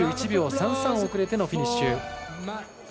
２１秒３３遅れてのフィニッシュ。